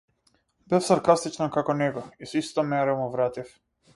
Бев саркастична како него и со иста мера му вратив.